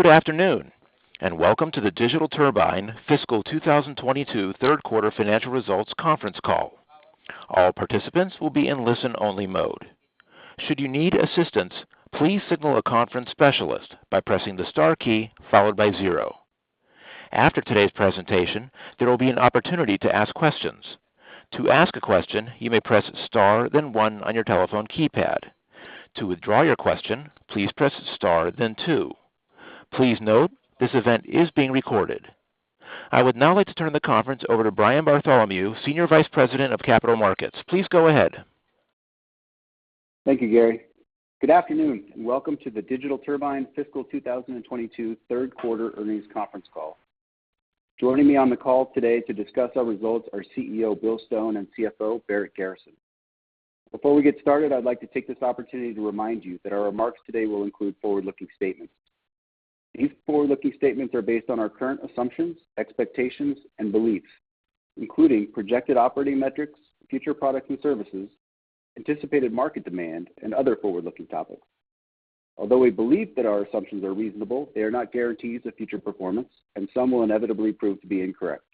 Good afternoon, and welcome to the Digital Turbine fiscal 2022 third quarter financial results conference call. All participants will be in listen-only mode. Should you need assistance, please signal a conference specialist by pressing the star key followed by zero. After today's presentation, there will be an opportunity to ask questions. To ask a question, you may press star then one on your telephone keypad. To withdraw your question, please press star then two. Please note, this event is being recorded. I would now like to turn the conference over to Brian Bartholomew, Senior Vice President of Capital Markets. Please go ahead. Thank you, Gary. Good afternoon, and welcome to the Digital Turbine Fiscal 2022 third quarter earnings conference call. Joining me on the call today to discuss our results are CEO Bill Stone and CFO Barrett Garrison. Before we get started, I'd like to take this opportunity to remind you that our remarks today will include forward-looking statements. These forward-looking statements are based on our current assumptions, expectations, and beliefs, including projected operating metrics, future products and services, anticipated market demand, and other forward-looking topics. Although we believe that our assumptions are reasonable, they are not guarantees of future performance, and some will inevitably prove to be incorrect.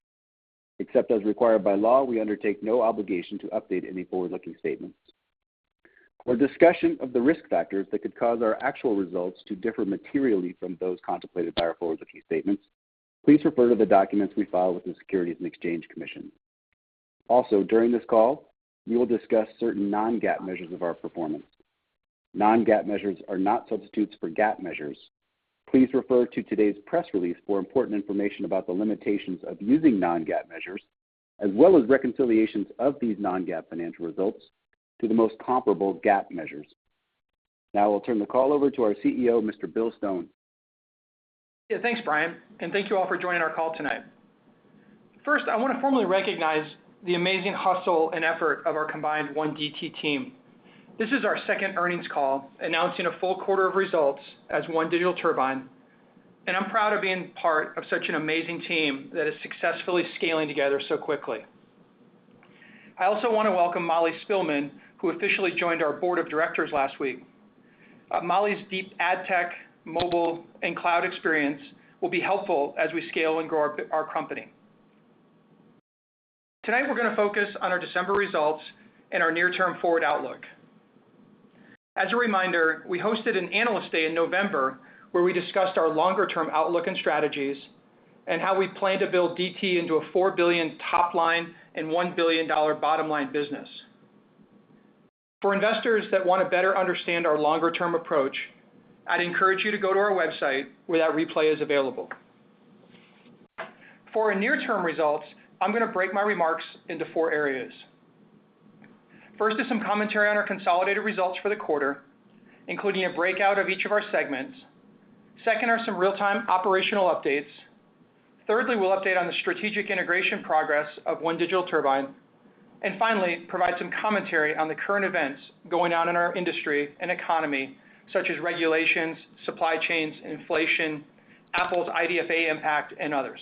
Except as required by law, we undertake no obligation to update any forward-looking statements. For discussion of the risk factors that could cause our actual results to differ materially from those contemplated by our forward-looking statements, please refer to the documents we file with the Securities and Exchange Commission. Also, during this call, we will discuss certain non-GAAP measures of our performance. Non-GAAP measures are not substitutes for GAAP measures. Please refer to today's press release for important information about the limitations of using non-GAAP measures, as well as reconciliations of these non-GAAP financial results to the most comparable GAAP measures. Now I'll turn the call over to our CEO, Mr. Bill Stone. Yeah. Thanks, Brian, and thank you all for joining our call tonight. First, I wanna formally recognize the amazing hustle and effort of our combined One DT team. This is our second earnings call announcing a full quarter of results as One Digital Turbine, and I'm proud of being part of such an amazing team that is successfully scaling together so quickly. I also wanna welcome Mollie Spilman, who officially joined our board of directors last week. Mollie's deep ad tech, mobile, and cloud experience will be helpful as we scale and grow our company. Tonight, we're gonna focus on our December results and our near-term forward outlook. As a reminder, we hosted an analyst day in November where we discussed our longer term outlook and strategies, and how we plan to build DT into a $4 billion top line and $1 billion bottom line business. For investors that wanna better understand our longer term approach, I'd encourage you to go to our website where that replay is available. For our near-term results, I'm gonna break my remarks into four areas. First is some commentary on our consolidated results for the quarter, including a breakout of each of our segments. Second are some real-time operational updates. Thirdly, we'll update on the strategic integration progress of One Digital Turbine. Finally, provide some commentary on the current events going on in our industry and economy, such as regulations, supply chains, inflation, Apple's IDFA impact, and others.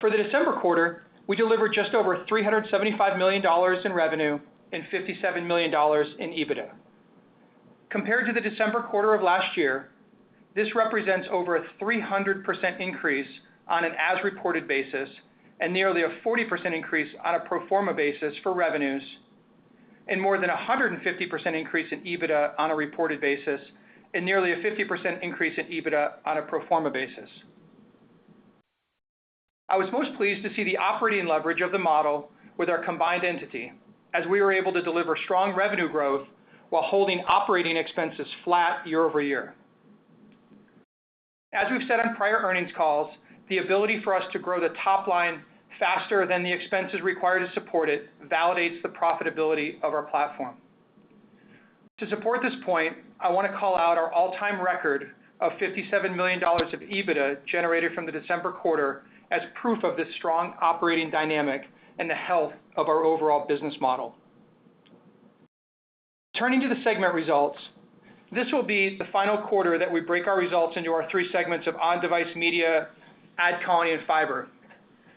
For the December quarter, we delivered just over $375 million in revenue and $57 million in EBITDA. Compared to the December quarter of last year, this represents over a 300% increase on an as-reported basis and nearly a 40% increase on a pro forma basis for revenues, and more than a 150% increase in EBITDA on a reported basis, and nearly a 50% increase in EBITDA on a pro forma basis. I was most pleased to see the operating leverage of the model with our combined entity, as we were able to deliver strong revenue growth while holding operating expenses flat year-over-year. As we've said on prior earnings calls, the ability for us to grow the top line faster than the expenses required to support it validates the profitability of our platform. To support this point, I wanna call out our all-time record of $57 million of EBITDA generated from the December quarter as proof of the strong operating dynamic and the health of our overall business model. Turning to the segment results, this will be the final quarter that we break our results into our three segments of On-Device Media, AdColony, and Fyber.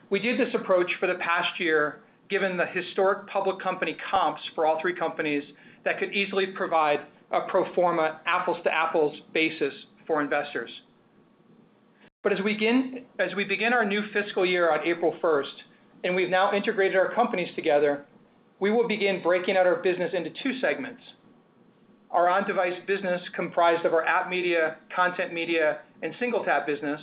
We did this approach for the past year given the historic public company comps for all three companies that could easily provide a pro forma apples to apples basis for investors. As we begin our new fiscal year on April 1st, and we've now integrated our companies together, we will begin breaking out our business into two segments. Our On-Device business comprised of our App Media, Content Media, and SingleTap business,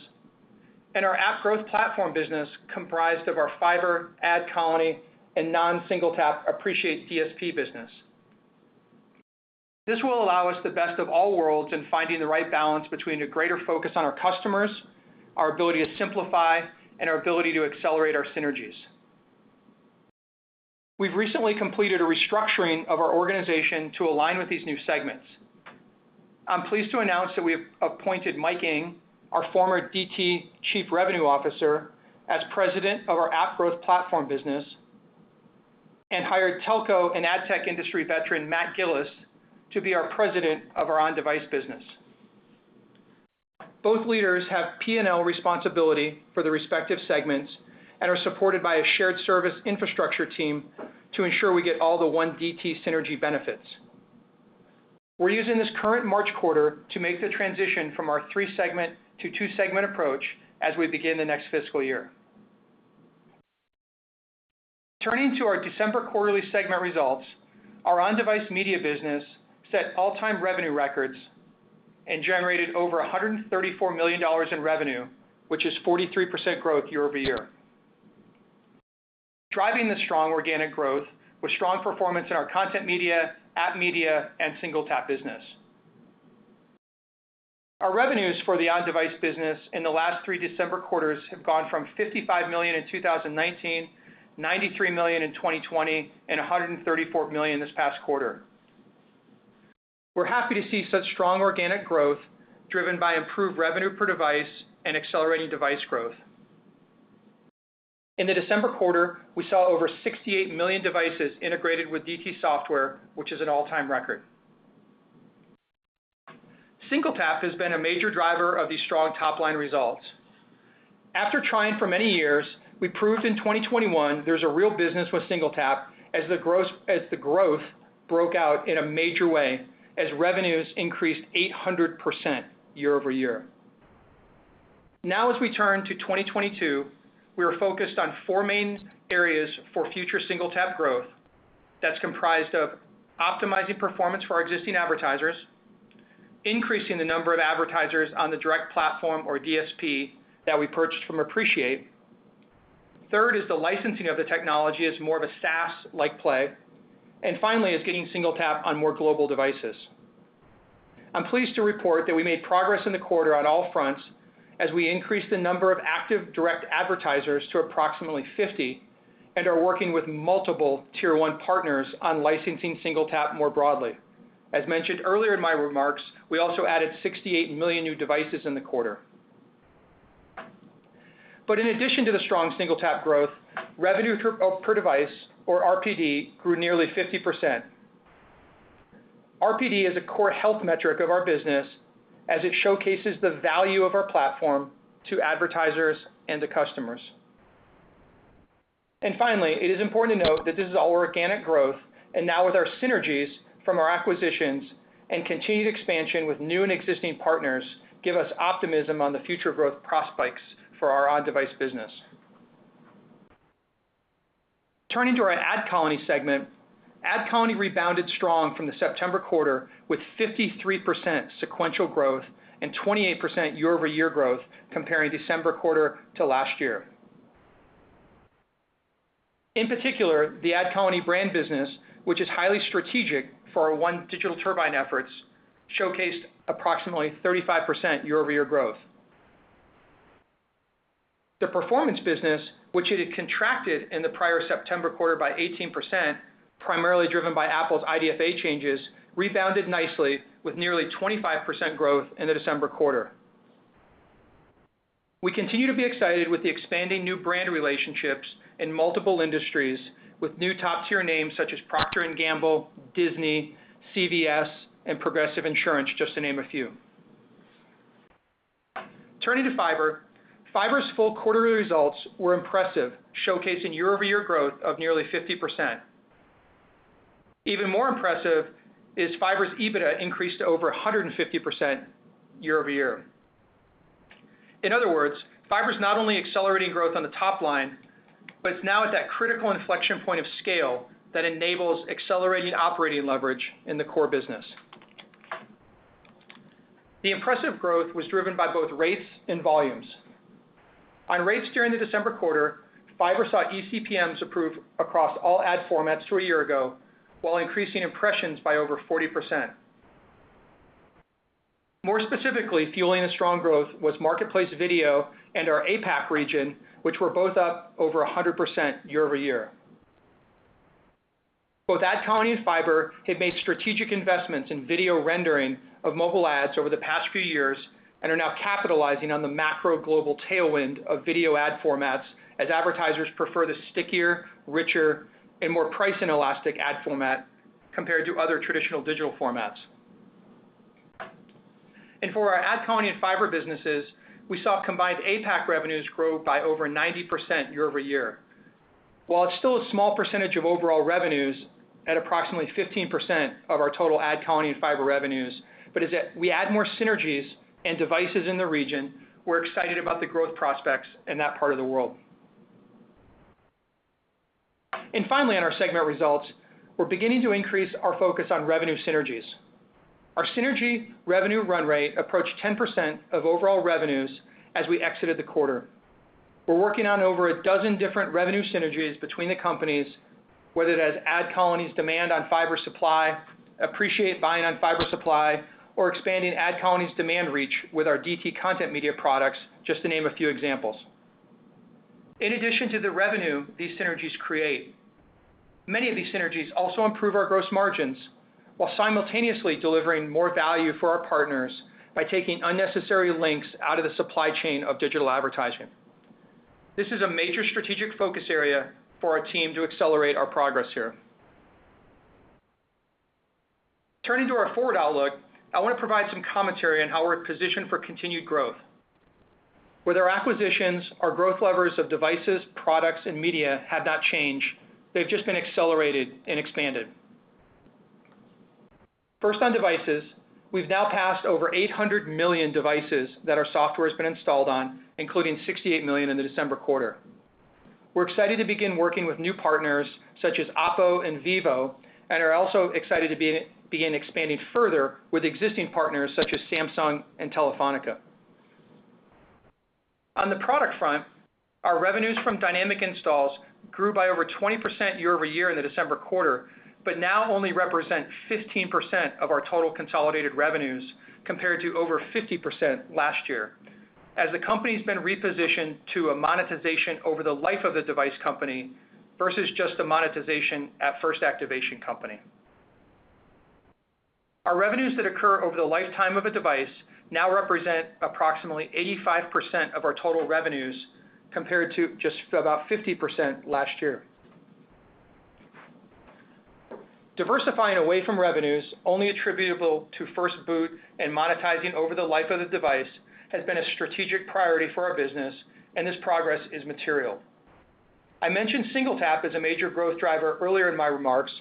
and our App Growth Platform business comprised of our Fyber, AdColony, and non-SingleTap Appreciate DSP business. This will allow us the best of all worlds in finding the right balance between a greater focus on our customers, our ability to simplify, and our ability to accelerate our synergies. We've recently completed a restructuring of our organization to align with these new segments. I'm pleased to announce that we have appointed Mike Ng, our former DT Chief Revenue Officer, as president of our App Growth Platform business and hired telco and ad tech industry veteran, Matt Gillis, to be our president of our On-Device business. Both leaders have P&L responsibility for the respective segments and are supported by a shared service infrastructure team to ensure we get all the One DT synergy benefits. We're using this current March quarter to make the transition from our three-segment to two-segment approach as we begin the next fiscal year. Turning to our December quarterly segment results, our On-Device Media business set all-time revenue records and generated over $134 million in revenue, which is 43% growth year-over-year. Driving the strong organic growth was strong performance in our Content Media, Application Media, and SingleTap business. Our revenues for the On-Device Media business in the last three December quarters have gone from $55 million in 2019, $93 million in 2020, and $134 million this past quarter. We're happy to see such strong organic growth driven by improved revenue per device and accelerating device growth. In the December quarter, we saw over 68 million devices integrated with DT software, which is an all-time record. SingleTap has been a major driver of these strong top-line results. After trying for many years, we proved in 2021 there's a real business with SingleTap as the growth broke out in a major way as revenues increased 800% year-over-year. Now, as we turn to 2022, we are focused on four main areas for future SingleTap growth that's comprised of optimizing performance for our existing advertisers, increasing the number of advertisers on the direct platform or DSP that we purchased from Appreciate. Third is the licensing of the technology as more of a SaaS-like play. Finally is getting SingleTap on more global devices. I'm pleased to report that we made progress in the quarter on all fronts as we increased the number of active direct advertisers to approximately 50 and are working with multiple tier one partners on licensing SingleTap more broadly. As mentioned earlier in my remarks, we also added 68 million new devices in the quarter. In addition to the strong SingleTap growth, revenue per device, or RPD, grew nearly 50%. RPD is a core health metric of our business as it showcases the value of our platform to advertisers and to customers. Finally, it is important to note that this is all organic growth, and now with our synergies from our acquisitions and continued expansion with new and existing partners give us optimism on the future growth prospects for our On-Device business. Turning to our AdColony segment, AdColony rebounded strong from the September quarter with 53% sequential growth and 28% year-over-year growth comparing December quarter to last year. In particular, the AdColony brand business, which is highly strategic for our One Digital Turbine efforts, showcased approximately 35% year-over-year growth. The performance business, which it had contracted in the prior September quarter by 18%, primarily driven by Apple's IDFA changes, rebounded nicely with nearly 25% growth in the December quarter. We continue to be excited with the expanding new brand relationships in multiple industries with new top-tier names such as Procter & Gamble, Disney, CVS, and Progressive Insurance, just to name a few. Turning to Fyber's full quarterly results were impressive, showcasing year-over-year growth of nearly 50%. Even more impressive is Fyber's EBITDA increased to over 150% year-over-year. In other words, Fyber's not only accelerating growth on the top line, but it's now at that critical inflection point of scale that enables accelerating operating leverage in the core business. The impressive growth was driven by both rates and volumes. On rates during the December quarter, Fyber saw eCPMs improve across all ad formats than a year ago, while increasing impressions by over 40%. More specifically, fueling the strong growth was Marketplace Video and our APAC region, which were both up over 100% year-over-year. Both AdColony and Fyber have made strategic investments in video rendering of mobile ads over the past few years and are now capitalizing on the macro global tailwind of video ad formats as advertisers prefer the stickier, richer and more price inelastic ad format compared to other traditional digital formats. For our AdColony and Fyber businesses, we saw combined APAC revenues grow by over 90% year-over-year. While it's still a small percentage of overall revenues at approximately 15% of our total AdColony and Fyber revenues, but as we add more synergies and devices in the region, we're excited about the growth prospects in that part of the world. Finally, on our segment results, we're beginning to increase our focus on revenue synergies. Our synergy revenue run rate approached 10% of overall revenues as we exited the quarter. We're working on over a dozen different revenue synergies between the companies, whether that is AdColony's demand on Fyber supply, Appreciate buying on Fyber supply, or expanding AdColony's demand reach with our DT Content Media products, just to name a few examples. In addition to the revenue these synergies create, many of these synergies also improve our gross margins while simultaneously delivering more value for our partners by taking unnecessary links out of the supply chain of digital advertising. This is a major strategic focus area for our team to accelerate our progress here. Turning to our forward outlook, I wanna provide some commentary on how we're positioned for continued growth. With our acquisitions, our growth levers of devices, products, and media have not changed. They've just been accelerated and expanded. First on devices, we've now passed over 800 million devices that our software's been installed on, including 68 million in the December quarter. We're excited to begin working with new partners such as Oppo and Vivo and are also excited to begin expanding further with existing partners such as Samsung and Telefónica. On the product front, our revenues from dynamic installs grew by over 20% year-over-year in the December quarter, but now only represent 15% of our total consolidated revenues compared to over 50% last year, as the company's been repositioned to a monetization over the life of the device company versus just a monetization at first activation company. Our revenues that occur over the lifetime of a device now represent approximately 85% of our total revenues compared to just about 50% last year. Diversifying away from revenues only attributable to first boot and monetizing over the life of the device has been a strategic priority for our business and this progress is material. I mentioned SingleTap as a major growth driver earlier in my remarks,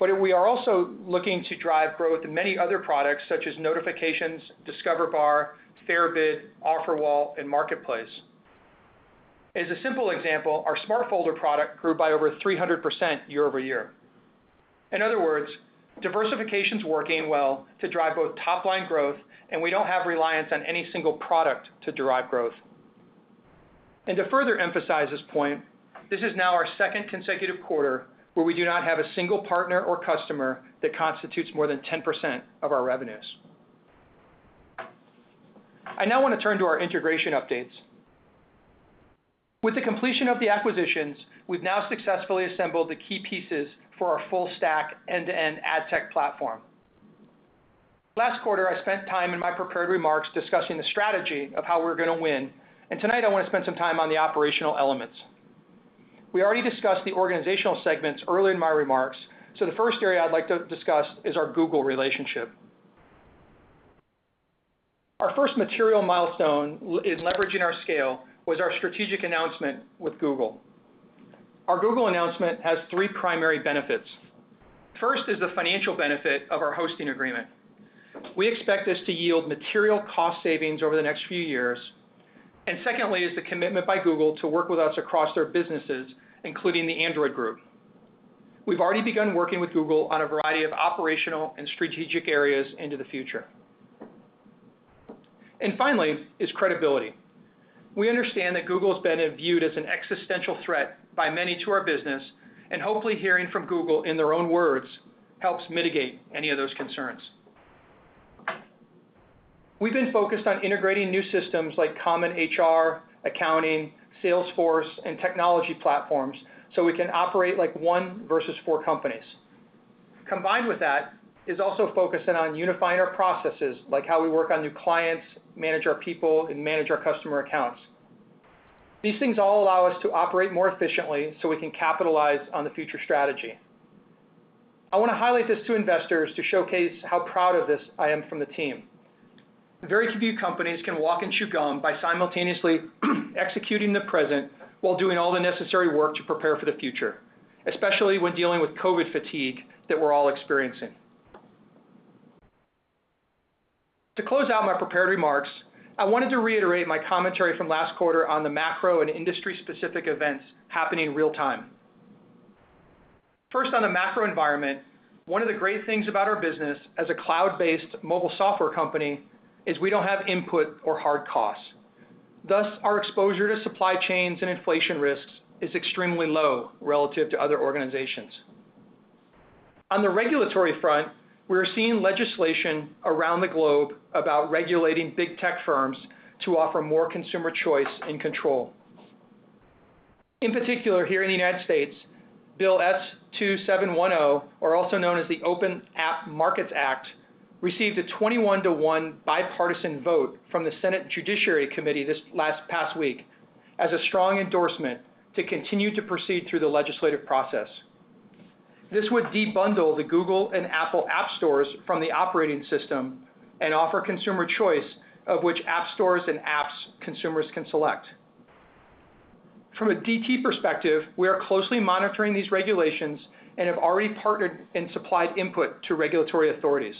but we are also looking to drive growth in many other products such as Notifications, Discover Bar, FairBid, Offer Wall, and Marketplace. As a simple example, our smart folders product grew by over 300% year-over-year. In other words, diversification's working well to drive both top-line growth, and we don't have reliance on any single product to derive growth. To further emphasize this point, this is now our second consecutive quarter where we do not have a single partner or customer that constitutes more than 10% of our revenues. I now wanna turn to our integration updates. With the completion of the acquisitions, we've now successfully assembled the key pieces for our full stack end-to-end ad tech platform. Last quarter, I spent time in my prepared remarks discussing the strategy of how we're gonna win, and tonight I wanna spend some time on the operational elements. We already discussed the organizational segments early in my remarks, so the first area I'd like to discuss is our Google relationship. Our first material milestone in leveraging our scale was our strategic announcement with Google. Our Google announcement has three primary benefits. First is the financial benefit of our hosting agreement. We expect this to yield material cost savings over the next few years and secondly is the commitment by Google to work with us across their businesses, including the Android group. We've already begun working with Google on a variety of operational and strategic areas into the future. Finally is credibility. We understand that Google has been viewed as an existential threat by many to our business, and hopefully hearing from Google in their own words helps mitigate any of those concerns. We've been focused on integrating new systems like common HR, accounting, Salesforce, and technology platforms, so we can operate like one versus four companies. Combined with that is also focusing on unifying our processes, like how we work on new clients, manage our people, and manage our customer accounts. These things all allow us to operate more efficiently so we can capitalize on the future strategy. I wanna highlight this to investors to showcase how proud of this I am from the team. Very few companies can walk and chew gum by simultaneously executing the present while doing all the necessary work to prepare for the future, especially when dealing with COVID fatigue that we're all experiencing. To close out my prepared remarks, I wanted to reiterate my commentary from last quarter on the macro and industry specific events happening in real time. First on the macro environment, one of the great things about our business as a cloud-based mobile software company is we don't have input or hard costs. Thus, our exposure to supply chains and inflation risks is extremely low relative to other organizations. On the regulatory front, we are seeing legislation around the globe about regulating big tech firms to offer more consumer choice and control. In particular, here in the United States, S. 2710, also known as the Open App Markets Act, received a 21-to-1 bipartisan vote from the Senate Judiciary Committee this past week as a strong endorsement to continue to proceed through the legislative process. This would de-bundle the Google and Apple App Stores from the operating system and offer consumer choice of which app stores and apps consumers can select. From a DT perspective, we are closely monitoring these regulations and have already partnered and supplied input to regulatory authorities.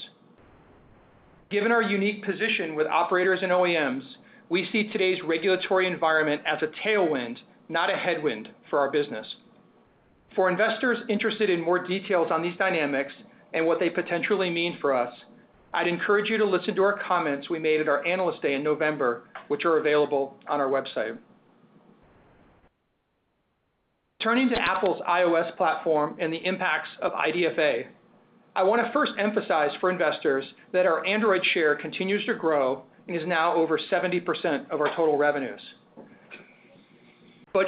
Given our unique position with operators and OEMs, we see today's regulatory environment as a tailwind, not a headwind for our business. For investors interested in more details on these dynamics and what they potentially mean for us, I'd encourage you to listen to our comments we made at our Analyst Day in November, which are available on our website. Turning to Apple's iOS platform and the impacts of IDFA, I wanna first emphasize for investors that our Android share continues to grow and is now over 70% of our total revenues.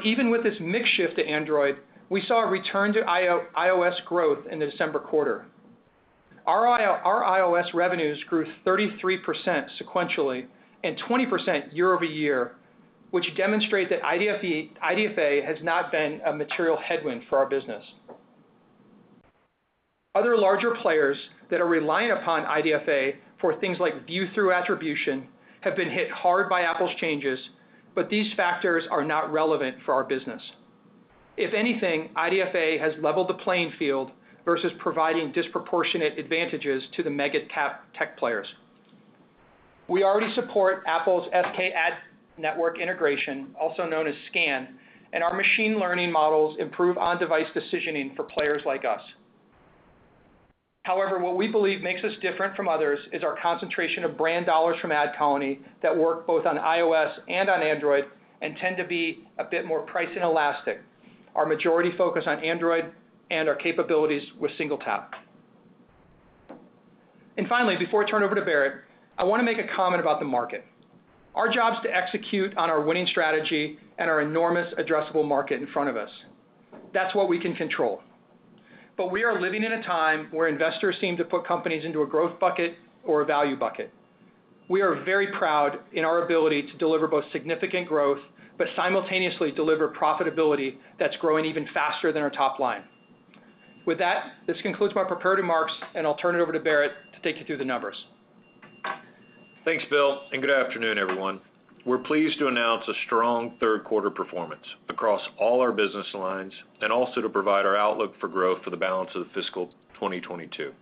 Even with this mix shift to Android, we saw a return to iOS growth in the December quarter. Our iOS revenues grew 33% sequentially and 20% year-over-year, which demonstrate that IDFA has not been a material headwind for our business. Other larger players that are reliant upon IDFA for things like view-through attribution have been hit hard by Apple's changes, but these factors are not relevant for our business. If anything, IDFA has leveled the playing field versus providing disproportionate advantages to the mega cap tech players. We already support Apple's SKAdNetwork integration, also known as SKAN, and our machine learning models improve On-Device decisioning for players like us. However, what we believe makes us different from others is our concentration of brand dollars from AdColony that work both on iOS and on Android and tend to be a bit more price inelastic, our majority focus on Android and our capabilities with SingleTap. Finally, before I turn over to Barrett, I want to make a comment about the market. Our job is to execute on our winning strategy and our enormous addressable market in front of us. That's what we can control. We are living in a time where investors seem to put companies into a growth bucket or a value bucket. We are very proud in our ability to deliver both significant growth, but simultaneously deliver profitability that's growing even faster than our top line. With that, this concludes my prepared remarks, and I'll turn it over to Barrett to take you through the numbers. Thanks, Bill, and good afternoon, everyone. We're pleased to announce a strong third quarter performance across all our business lines and also to provide our outlook for growth for the balance of the fiscal 2022.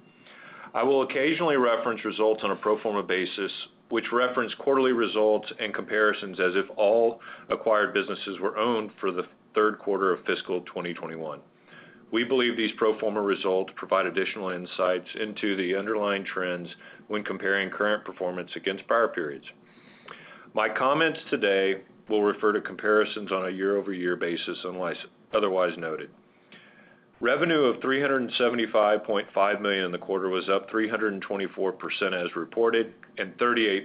I will occasionally reference results on a pro forma basis, which reference quarterly results and comparisons as if all acquired businesses were owned for the third quarter of fiscal 2021. We believe these pro forma results provide additional insights into the underlying trends when comparing current performance against prior periods. My comments today will refer to comparisons on a year-over-year basis unless otherwise noted. Revenue of $375.5 million in the quarter was up 324% as reported, and 38%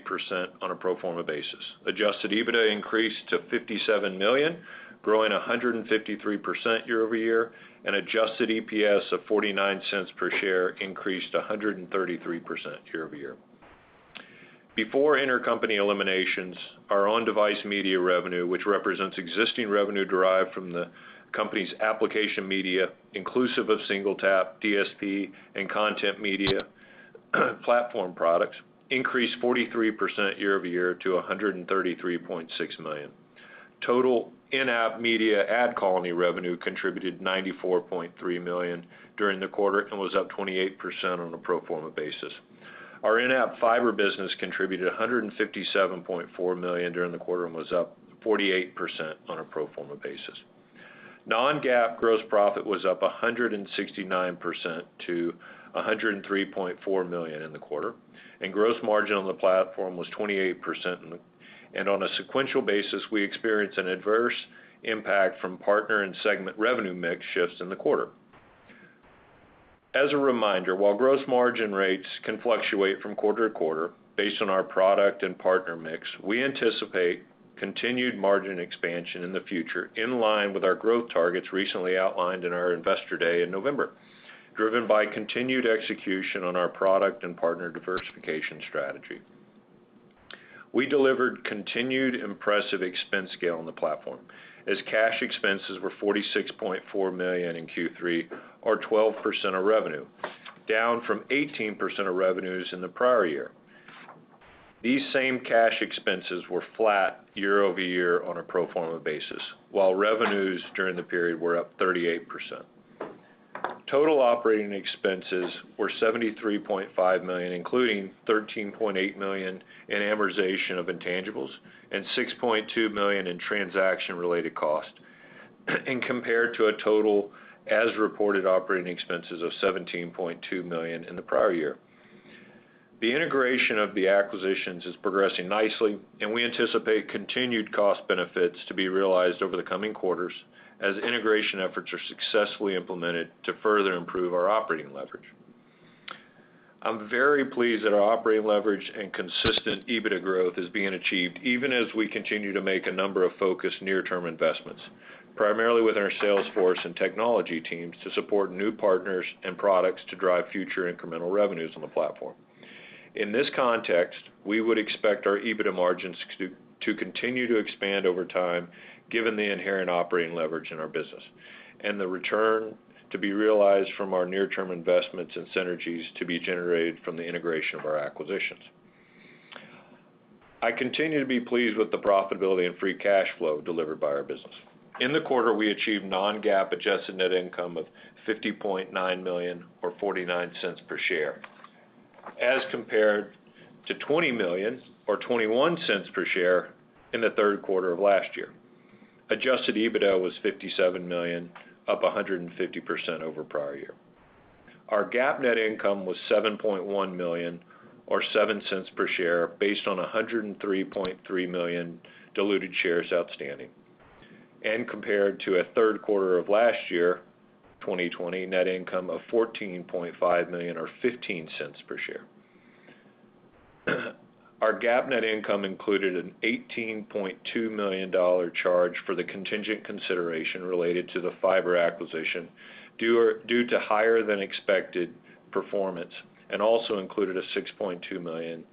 on a pro forma basis. Adjusted EBITDA increased to $57 million, growing 153% year-over-year, and adjusted EPS of $0.49 per share increased 133% year-over-year. Before intercompany eliminations, our On-Device Media revenue, which represents existing revenue derived from the company's Application Media, inclusive of SingleTap, DSP, and Content Media platform products, increased 43% year-over-year to $133.6 million. Total in-app media AdColony revenue contributed $94.3 million during the quarter and was up 28% on a pro forma basis. Our in-app Fyber business contributed $157.4 million during the quarter and was up 48% on a pro forma basis. Non-GAAP gross profit was up 169% to $103.4 million in the quarter, and gross margin on the platform was 28%. On a sequential basis, we experienced an adverse impact from partner and segment revenue mix shifts in the quarter. As a reminder, while gross margin rates can fluctuate from quarter to quarter based on our product and partner mix, we anticipate continued margin expansion in the future in line with our growth targets recently outlined in our Investor Day in November, driven by continued execution on our product and partner diversification strategy. We delivered continued impressive expense scale on the platform as cash expenses were $46.4 million in Q3 or 12% of revenue, down from 18% of revenues in the prior year. These same cash expenses were flat year-over-year on a pro forma basis, while revenues during the period were up 38%. Total operating expenses were $73.5 million, including $13.8 million in amortization of intangibles and $6.2 million in transaction-related costs, and compared to a total as-reported operating expenses of $17.2 million in the prior year. The integration of the acquisitions is progressing nicely, and we anticipate continued cost benefits to be realized over the coming quarters as integration efforts are successfully implemented to further improve our operating leverage. I'm very pleased that our operating leverage and consistent EBITDA growth is being achieved even as we continue to make a number of focused near-term investments, primarily with our sales force and technology teams to support new partners and products to drive future incremental revenues on the platform. In this context, we would expect our EBITDA margins to continue to expand over time given the inherent operating leverage in our business and the return to be realized from our near-term investments and synergies to be generated from the integration of our acquisitions. I continue to be pleased with the profitability and free cash flow delivered by our business. In the quarter, we achieved non-GAAP adjusted net income of $50.9 million or $0.49 per share, as compared to $20 million or $0.21 per share in the third quarter of last year. Adjusted EBITDA was $57 million, up 150% over prior year. Our GAAP net income was $7.1 million or $0.07 per share based on 103.3 million diluted shares outstanding, compared to a third quarter of last year, 2020, net income of $14.5 million or $0.15 per share. Our GAAP net income included an $18.2 million charge for the contingent consideration related to the Fyber acquisition due to higher than expected performance and also included a $6.2 million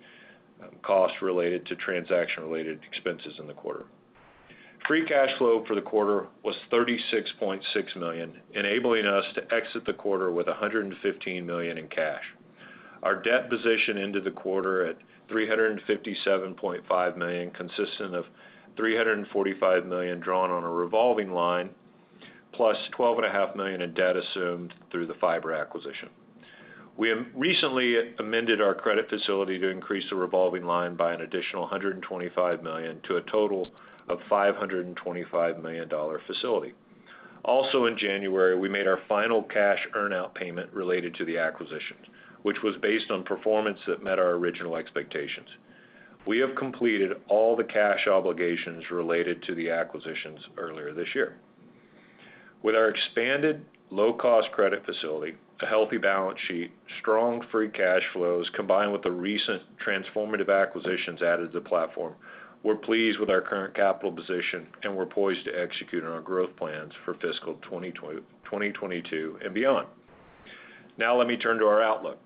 costs related to transaction-related expenses in the quarter. Free cash flow for the quarter was $36.6 million, enabling us to exit the quarter with $115 million in cash. Our debt position into the quarter at $357.5 million, consisting of $345 million drawn on a revolving line, plus $12.5 million in debt assumed through the Fyber acquisition. We have recently amended our credit facility to increase the revolving line by an additional $125 million to a total of $525 million facility. Also, in January, we made our final cash earn-out payment related to the acquisitions, which was based on performance that met our original expectations. We have completed all the cash obligations related to the acquisitions earlier this year. With our expanded low-cost credit facility, a healthy balance sheet, strong free cash flows, combined with the recent transformative acquisitions added to the platform, we're pleased with our current capital position, and we're poised to execute on our growth plans for fiscal 2022 and beyond. Now let me turn to our outlook.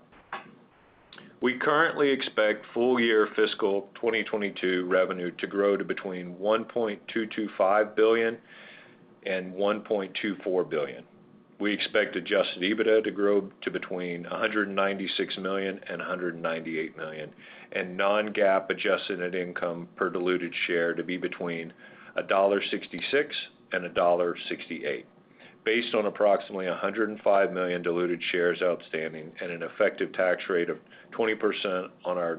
We currently expect full year fiscal 2022 revenue to grow to between $1.225 billion and $1.24 billion. We expect adjusted EBITDA to grow to between $196 million and $198 million, and non-GAAP adjusted net income per diluted share to be between $1.66 and $1.68, based on approximately 105 million diluted shares outstanding and an effective tax rate of 20% on our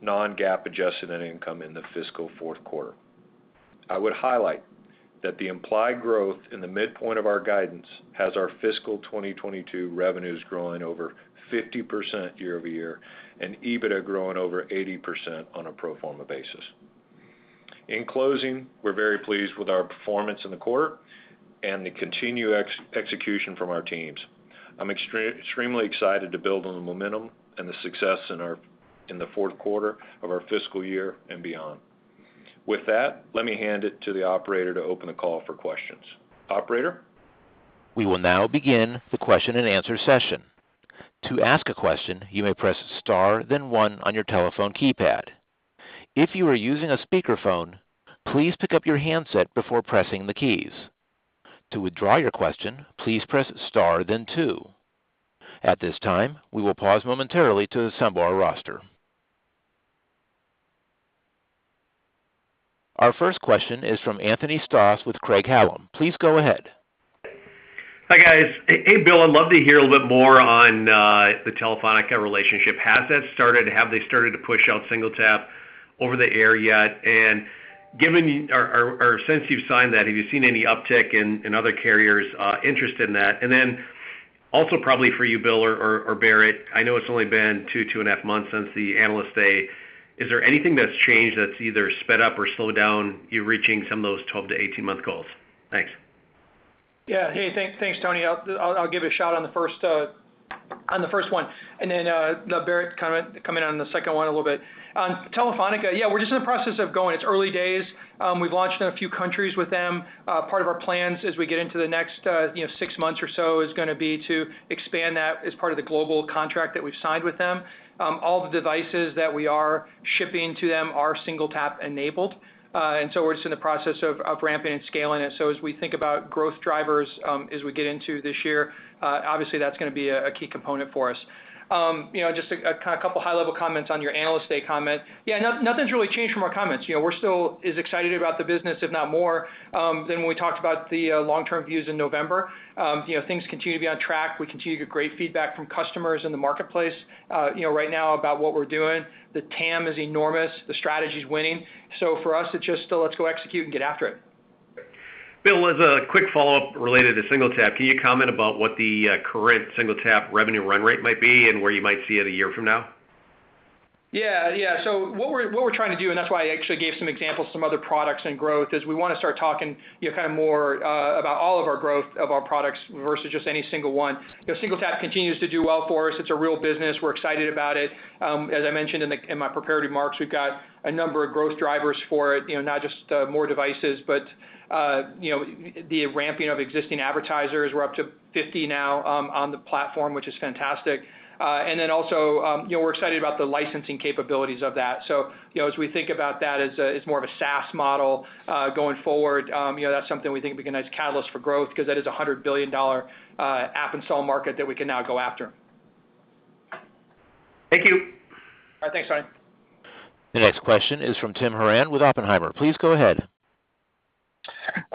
non-GAAP adjusted net income in the fiscal fourth quarter. I would highlight that the implied growth in the midpoint of our guidance has our fiscal 2022 revenues growing over 50% year-over-year and EBITDA growing over 80% on a pro forma basis. In closing, we're very pleased with our performance in the quarter and the continued execution from our teams. I'm extremely excited to build on the momentum and the success in the fourth quarter of our fiscal year and beyond. With that, let me hand it to the operator to open the call for questions. Operator? We will now begin the question-and-answer session. To ask a question, you may press star, then one on your telephone keypad. If you are using a speakerphone, please pick up your handset before pressing the keys. To withdraw your question, please press star then two. At this time, we will pause momentarily to assemble our roster. Our first question is from Anthony Stoss with Craig-Hallum. Please go ahead. Hi, guys. Hey, Bill, I'd love to hear a little bit more on the Telefónica relationship. Has that started? Have they started to push out SingleTap over the air yet? Or since you've signed that, have you seen any uptick in other carriers' interest in that? And then also probably for you, Bill or Barrett, I know it's only been 2.5 months since the Analyst Day, is there anything that's changed that's either sped up or slowed down you reaching some of those 12-18-month goals? Thanks. Yeah. Hey, thanks, Tony. I'll give a shot on the first one, and then let Barrett comment on the second one a little bit. Telefónica, yeah, we're just in the process of going. It's early days. We've launched in a few countries with them. Part of our plans as we get into the next, you know, six months or so is gonna be to expand that as part of the global contract that we've signed with them. All the devices that we are shipping to them are SingleTap enabled. And so we're just in the process of ramping and scaling it. As we think about growth drivers, as we get into this year, obviously, that's gonna be a key component for us. You know, just a kinda couple high-level comments on your Analyst Day comment. Yeah, nothing's really changed from our comments. You know, we're still as excited about the business, if not more, than when we talked about the long-term views in November. You know, things continue to be on track. We continue to get great feedback from customers in the marketplace right now about what we're doing. The TAM is enormous. The strategy's winning. For us, it's just still let's go execute and get after it. Bill, as a quick follow-up related to SingleTap, can you comment about what the current SingleTap revenue run rate might be and where you might see it a year from now? Yeah. Yeah. What we're trying to do, and that's why I actually gave some examples, some other products and growth, is we wanna start talking, you know, kind of more about all of our growth of our products versus just any single one. You know, SingleTap continues to do well for us. It's a real business. We're excited about it. As I mentioned in my prepared remarks, we've got a number of growth drivers for it, you know, not just more devices but you know, the ramping of existing advertisers. We're up to 50 now on the platform, which is fantastic. And then also, you know, we're excited about the licensing capabilities of that. You know, as we think about that as more of a SaaS model going forward, you know, that's something we think will be a nice catalyst for growth because that is a $100 billion app install market that we can now go after. Thank you. All right. Thanks, Tony. The next question is from Tim Horan with Oppenheimer. Please go ahead.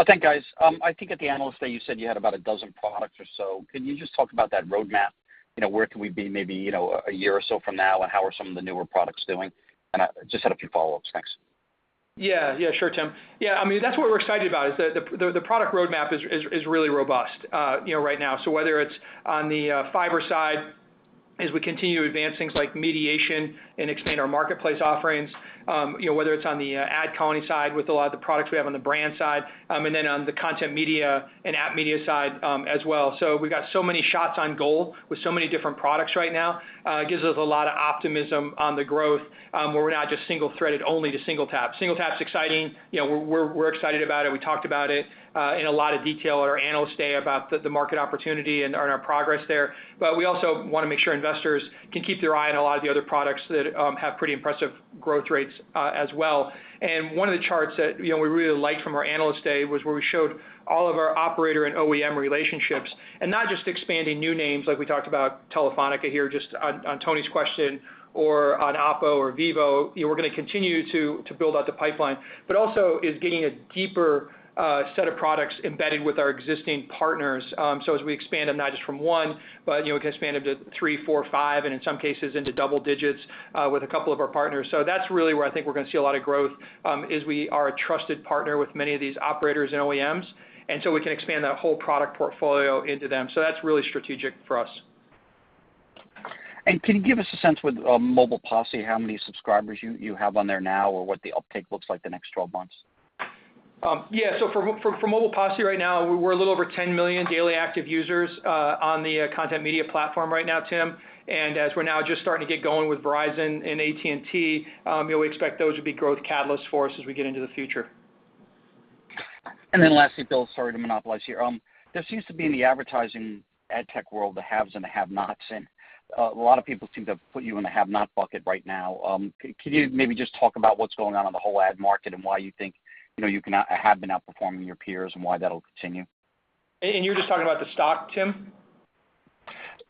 Thanks, guys. I think at the Analyst Day, you said you had about a dozen products or so. Can you just talk about that roadmap? You know, where could we be maybe, you know, a year or so from now, and how are some of the newer products doing? I just had a few follow-ups. Thanks. Yeah. Yeah. Sure, Tim. Yeah. I mean, that's what we're excited about, is the product roadmap is really robust, you know, right now. Whether it's on the Fyber side as we continue to advance things like mediation and expand our marketplace offerings, you know, whether it's on the AdColony side with a lot of the products we have on the brand side, and then on the Content Media and App Media side, as well. We've got so many shots on goal with so many different products right now, it gives us a lot of optimism on the growth, where we're not just single-threaded only to SingleTap. SingleTap's exciting, you know, we're excited about it. We talked about it in a lot of detail at our Analyst Day about the market opportunity and our progress there. We also wanna make sure investors can keep their eye on a lot of the other products that have pretty impressive growth rates, as well. One of the charts that, you know, we really liked from our Analyst Day was where we showed all of our operator and OEM relationships, and not just expanding new names like we talked about Telefónica here just on Tony's question or on Oppo or Vivo, you know, we're gonna continue to build out the pipeline, but also is getting a deeper set of products embedded with our existing partners. As we expand them not just from one, but, you know, it can expand up to three, four, five, and in some cases into double digits with a couple of our partners. That's really where I think we're gonna see a lot of growth is we are a trusted partner with many of these operators and OEMs, and so we can expand that whole product portfolio into them. That's really strategic for us. Can you give us a sense with Mobile Posse, how many subscribers you have on there now or what the uptake looks like the next 12 months? Yeah. For Mobile Posse right now, we're a little over 10 million daily active users on the Content Media platform right now, Tim. As we're now just starting to get going with Verizon and AT&T, you know, we expect those to be growth catalysts for us as we get into the future. Lastly, Bill, sorry to monopolize here. There seems to be in the advertising ad tech world, the haves and the have-nots, and a lot of people seem to put you in the have-not bucket right now. Can you maybe just talk about what's going on in the whole ad market and why you think, you know, you have been outperforming your peers and why that'll continue? You're just talking about the stock, Tim?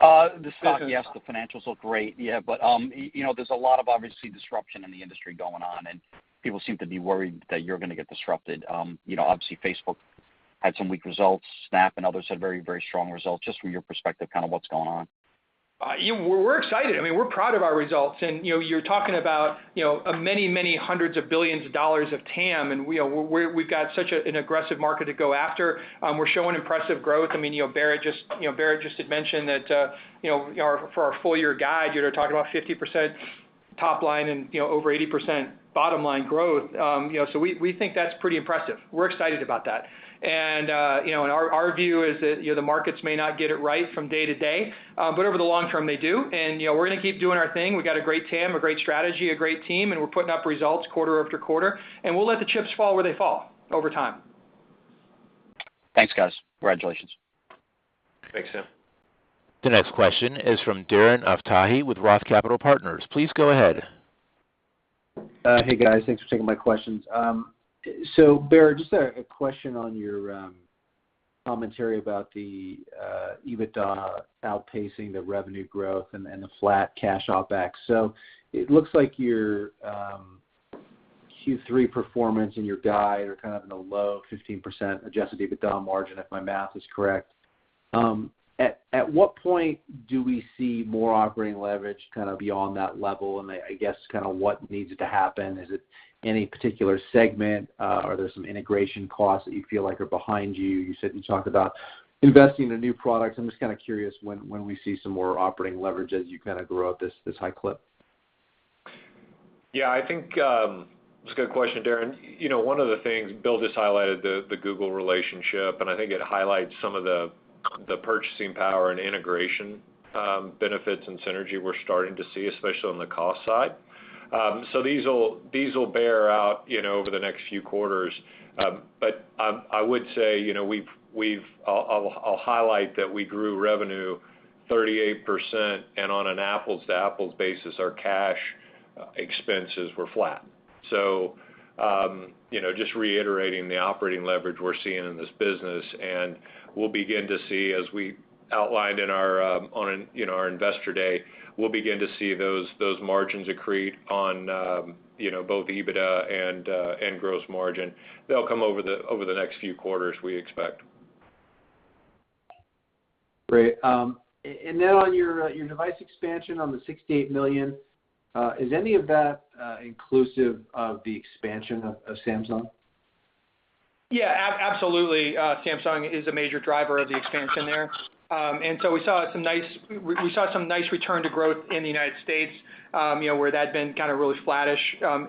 The stock, yes. The financials look great, yeah. You know, there's a lot of, obviously, disruption in the industry going on, and people seem to be worried that you're gonna get disrupted. You know, obviously, Facebook had some weak results. Snap and others had very strong results. Just from your perspective, kind of what's going on? You know, we're excited. I mean, we're proud of our results. You know, you're talking about many hundreds of billions of dollars of TAM, and we've got such an aggressive market to go after. We're showing impressive growth. I mean, you know, Barrett just mentioned that, you know, our full year guide, you're talking about 50% top line and, you know, over 80% bottom line growth. You know, we think that's pretty impressive. We're excited about that. You know, our view is that, you know, the markets may not get it right from day-to-day, but over the long term, they do. You know, we're gonna keep doing our thing. We got a great TAM, a great strategy, a great team, and we're putting up results quarter-after-quarter, and we'll let the chips fall where they fall over time. Thanks, guys. Congratulations. Thanks, Tim. The next question is from Darren Aftahi with ROTH Capital Partners. Please go ahead. Hey, guys. Thanks for taking my questions. Barrett, just a question on your commentary about the EBITDA outpacing the revenue growth and the flat cash OpEx. It looks like your Q3 performance and your guide are kind of in the low 15% adjusted EBITDA margin, if my math is correct. At what point do we see more operating leverage kind of beyond that level? I guess kind of what needs to happen. Is it any particular segment? Are there some integration costs that you feel like are behind you? You said you talked about investing in new products. I'm just kinda curious when we see some more operating leverage as you kinda grow at this high clip. Yeah, I think it's a good question, Darren. You know, one of the things, Bill just highlighted the Google relationship, and I think it highlights some of the purchasing power and integration benefits and synergy we're starting to see, especially on the cost side. So these will bear out, you know, over the next few quarters. But I would say, you know, I'll highlight that we grew revenue 38%, and on an apples-to-apples basis, our cash expenses were flat. So you know, just reiterating the operating leverage we're seeing in this business, and we'll begin to see, as we outlined in our Investor Day, we'll begin to see those margins accrete on, you know, both EBITDA and gross margin. They'll come over the next few quarters, we expect. Great. On your device expansion on the 68 million, is any of that inclusive of the expansion of Samsung? Yeah. Absolutely. Samsung is a major driver of the expansion there. We saw some nice return to growth in the United States, you know, where that had been kinda really flattish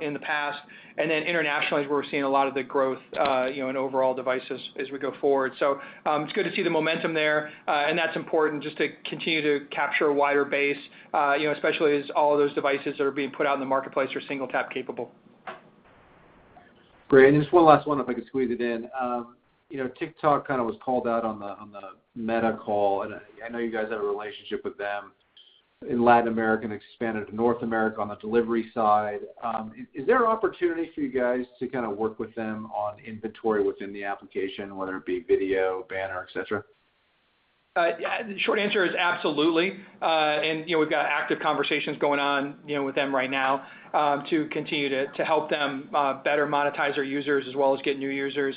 in the past. Internationally is where we're seeing a lot of the growth, you know, in overall devices as we go forward. It's good to see the momentum there, and that's important just to continue to capture a wider base, you know, especially as all of those devices that are being put out in the marketplace are SingleTap capable. Great. Just one last one if I could squeeze it in. You know, TikTok kinda was called out on the Meta call, and I know you guys have a relationship with them in Latin America and expanded to North America on the delivery side. Is there opportunity for you guys to kinda work with them on inventory within the application, whether it be video, banner, et cetera? Yeah. The short answer is absolutely. You know, we've got active conversations going on, you know, with them right now, to continue to help them better monetize their users as well as get new users.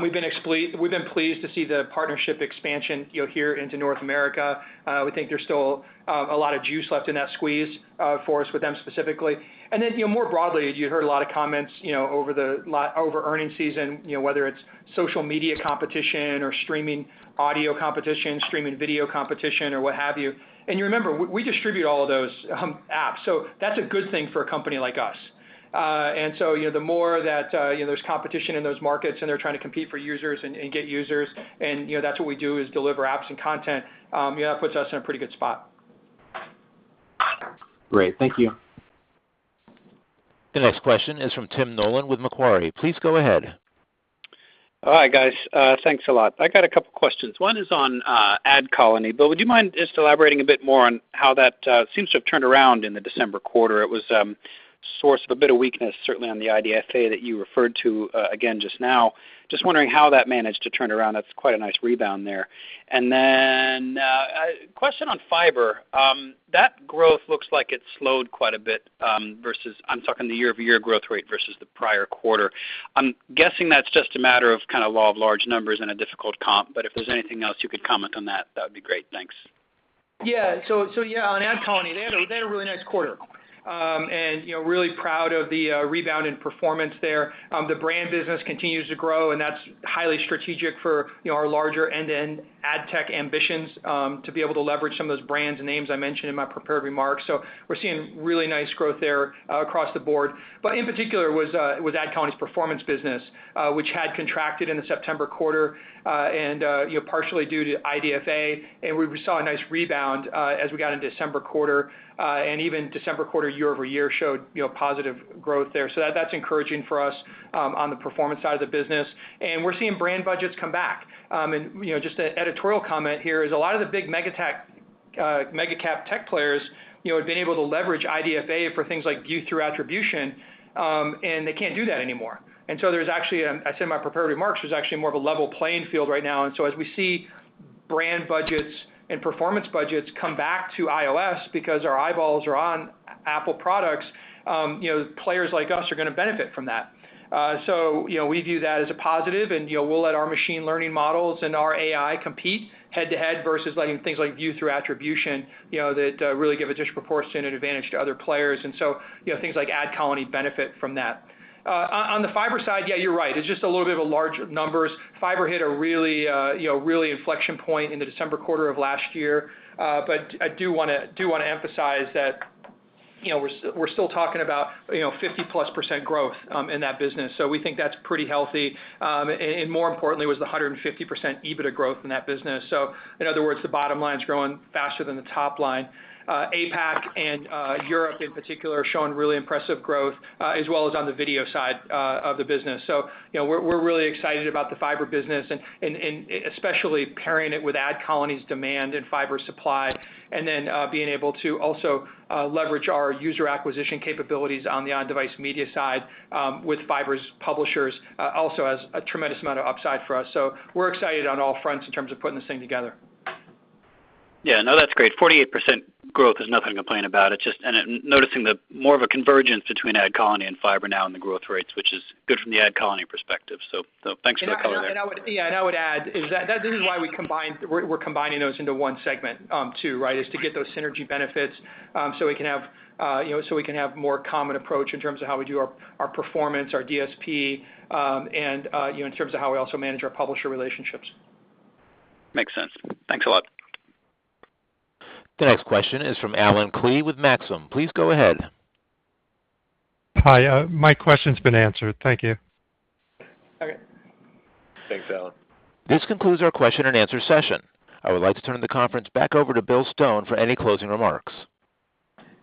We've been pleased to see the partnership expansion, you know, here into North America. We think there's still a lot of juice left in that squeeze, for us with them specifically. You know, more broadly, you heard a lot of comments, you know, over earnings season, you know, whether it's social media competition or streaming audio competition, streaming video competition, or what have you. You remember, we distribute all of those apps, so that's a good thing for a company like us. You know, the more that, you know, there's competition in those markets and they're trying to compete for users and get users and, you know, that's what we do, is deliver apps and content, you know, that puts us in a pretty good spot. Great. Thank you. The next question is from Tim Nollen with Macquarie. Please go ahead. All right, guys, thanks a lot. I got a couple questions. One is on AdColony. Bill, would you mind just elaborating a bit more on how that seems to have turned around in the December quarter? It was source of a bit of weakness, certainly on the IDFA that you referred to again just now. Just wondering how that managed to turn around. That's quite a nice rebound there. A question on Fyber. That growth looks like it slowed quite a bit versus. I'm talking the year-over-year growth rate versus the prior quarter. I'm guessing that's just a matter of kind of law of large numbers and a difficult comp, but if there's anything else you could comment on that would be great. Thanks. Yeah, on AdColony, they had a really nice quarter. You know really proud of the rebound in performance there. The brand business continues to grow, and that's highly strategic for you know our larger end-to-end ad tech ambitions to be able to leverage some of those brands and names I mentioned in my prepared remarks. We're seeing really nice growth there across the board. In particular was AdColony's performance business, which had contracted in the September quarter and you know partially due to IDFA, and we saw a nice rebound as we got into December quarter. Even December quarter year-over-year showed you know positive growth there. That's encouraging for us on the performance side of the business. We're seeing brand budgets come back. you know, just an editorial comment here is a lot of the big mega tech, mega cap tech players, you know, have been able to leverage IDFA for things like view-through attribution, and they can't do that anymore. I said in my prepared remarks, there's actually more of a level playing field right now. As we see brand budgets and performance budgets come back to iOS because our eyeballs are on Apple products, you know, players like us are gonna benefit from that. You know, we view that as a positive and, you know, we'll let our machine learning models and our AI compete head-to-head versus letting things like view-through attribution, you know, that really give a disproportionate advantage to other players. You know, things like AdColony benefit from that. On the Fyber side, yeah, you're right. It's just a little bit of large numbers. Fyber hit a really, you know, really inflection point in the December quarter of last year. I do wanna emphasize that, you know, we're still talking about, you know, 50%+ growth in that business. We think that's pretty healthy. More importantly was the 150% EBITDA growth in that business. In other words, the bottom line's growing faster than the top line. APAC and Europe in particular are showing really impressive growth, as well as on the video side of the business. You know, we're really excited about the Fyber business and especially pairing it with AdColony's demand and Fyber supply, and then being able to also leverage our user acquisition capabilities on the On-Device Media side with Fyber's publishers also has a tremendous amount of upside for us. We're excited on all fronts in terms of putting this thing together. Yeah, no, that's great. 48% growth is nothing to complain about. It's just noticing the more of a convergence between AdColony and Fyber now in the growth rates, which is good from the AdColony perspective. Thanks for the color there. I would add is that this is why we're combining those into one segment, too, right? To get those synergy benefits, so we can have, you know, more common approach in terms of how we do our performance, our DSP, and, you know, in terms of how we also manage our publisher relationships. Makes sense. Thanks a lot. The next question is from Allen Klee with Maxim. Please go ahead. Hi. My question's been answered. Thank you. Okay. Thanks, Allen. This concludes our question and answer session. I would like to turn the conference back over to Bill Stone for any closing remarks.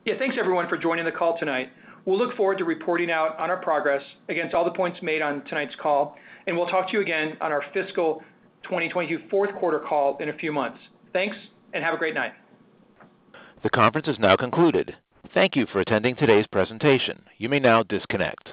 Yeah. Thanks everyone for joining the call tonight. We'll look forward to reporting out on our progress against all the points made on tonight's call, and we'll talk to you again on our fiscal 2024 quarter call in a few months. Thanks, and have a great night. The conference is now concluded. Thank you for attending today's presentation. You may now disconnect.